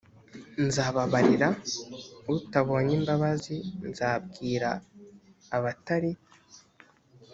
nzababarira utabonye imbabazi nzabwira abatari